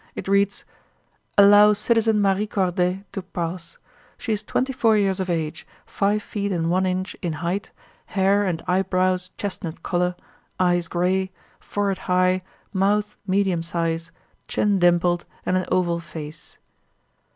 It reads: Allow citizen Marie Corday to pass. She is twenty four years of age, five feet and one inch in height, hair and eyebrows chestnut color, eyes gray, forehead high, mouth medium size, chin dimpled, and an oval face.